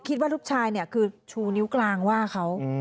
คิดว่าลูกชายคือโชว์นิ้วกลางว่าเขา